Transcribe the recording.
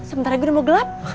sebentar lagi udah mau gelap